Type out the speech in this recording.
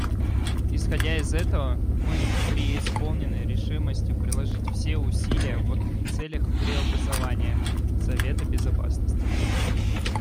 Исходя из этого мы преисполнены решимости приложить все усилия в целях преобразования Совета Безопасности.